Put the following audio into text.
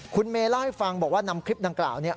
คุณเมย์เล่าให้ฟังบอกว่านำคลิปดังกล่าวเนี่ย